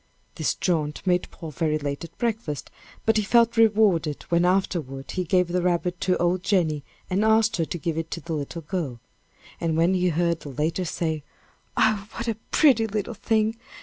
This jaunt made Paul very late at breakfast, but he felt rewarded when afterward he gave the rabbit to old Jenny, and asked her to give it to the little girl and when he heard the latter say "Oh, what a pretty little thing!